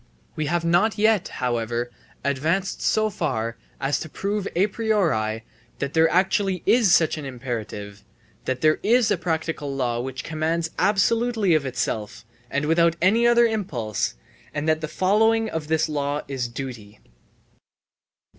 We have not yet, however, advanced so far as to prove a priori that there actually is such an imperative, that there is a practical law which commands absolutely of itself and without any other impulse, and that the following of this law is duty.